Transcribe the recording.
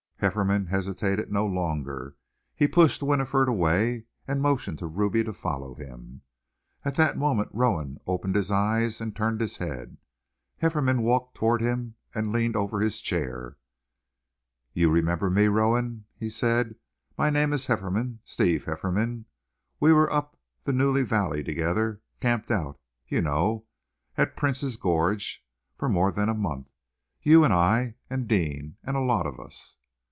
Hefferom hesitated no longer. He pushed Winifred away, and motioned to Ruby to follow him. At that moment Rowan opened his eyes and turned his head. Hefferom walked towards him and leaned over his chair. "You remember me, Rowan?" he said. "My name is Hefferom, Steve Hefferom. We were up the Newey Valley together, camped out, you know, at Prince's Gorge, for more than a month, you and I and Deane, and a lot of us."